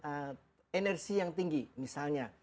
dan energi yang tinggi misalnya